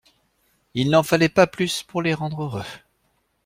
Il n’en fallait pas plus pour les rendre heureux.